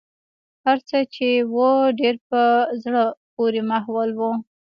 هرڅه چې و ډېر په زړه پورې ماحول و.